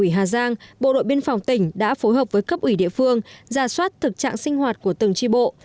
ủy hà giang bộ đội biên phòng tỉnh đã phối hợp với cấp ủy địa phương ra soát thực trạng sinh hoạt của từng tri bộ